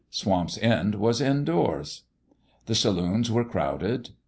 Swamp's End was indoors. The saloons were crowded.